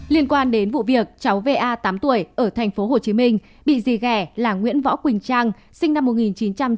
liên quan đến vụ việc cháu va tám tuổi ở tp hcm bị dì ghẻ là nguyễn võ quỳnh trang sinh năm một nghìn chín trăm chín mươi năm đối xử dã man